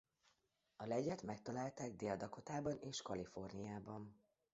A legyet megtalálták Dél-Dakotában és Kaliforniában.